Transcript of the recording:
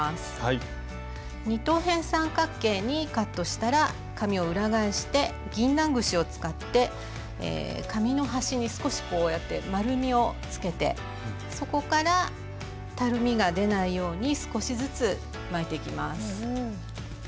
二等辺三角形にカットしたら紙を裏返してぎんなん串を使って紙の端に少しこうやって丸みをつけてそこからたるみが出ないように少しずつ巻いていきます。